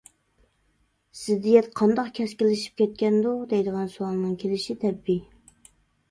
زىددىيەت قانداق كەسكىنلىشىپ كەتكەندۇ؟ دەيدىغان سوئالنىڭ كېلىشى تەبىئىي.